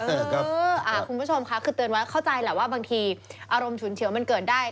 คุณผู้ชมค่ะคือเตือนไว้เข้าใจแหละว่าบางทีอารมณ์ฉุนเฉียวมันเกิดได้